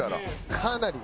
かなりよ。